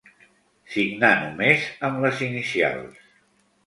Signar només amb les inicials.